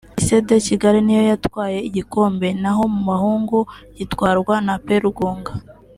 Lycée de Kigali ni yo yatwaye igikombe na ho mu bahungu gitwarwa na Ap Rugunga